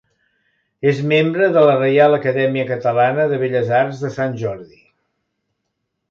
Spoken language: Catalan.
És membre de la Reial Acadèmia Catalana de Belles Arts de Sant Jordi.